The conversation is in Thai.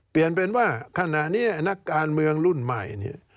เปลี่ยนเป็นว่าขณะนี้นักการเมืองรุ่นใหม่เนี่ย